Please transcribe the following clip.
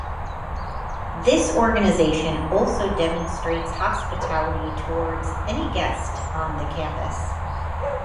This organization also demonstrates hospitality towards any guest on the campus.